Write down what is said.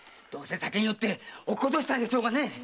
どうせ酒に酔って落としたんでしょうね。